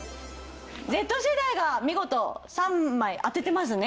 Ｚ世代が見事３枚当ててますね。